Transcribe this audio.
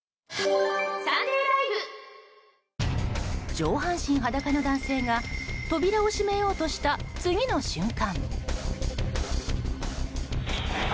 上半身裸の男性が扉を閉めようとした次の瞬間。